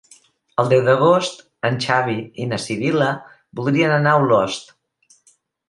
El deu d'agost en Xavi i na Sibil·la voldrien anar a Olost.